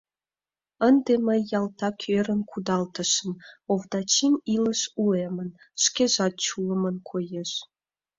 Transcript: Ынде мый ялтак ӧрын кудалтышым: Овдачин илыш уэмын, шкежат чулымын коеш.